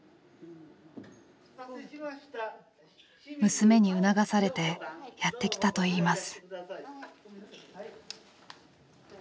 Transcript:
娘に促されてやって来たといいます。